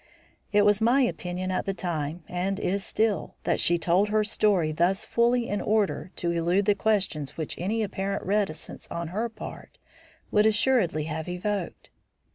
It was my opinion at the time, and is still, that she told her story thus fully in order to elude the questions which any apparent reticence on her part would assuredly have evoked.